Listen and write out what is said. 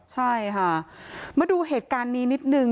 ใช่ค่ะมาดูเหตุการณ์นี้นิดนึง